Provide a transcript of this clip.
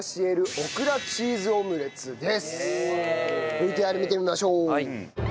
ＶＴＲ見てみましょう。